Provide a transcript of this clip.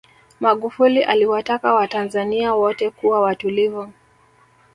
magufuli aliwataka watanzania wote kuwa watulivu